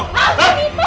aku gak mau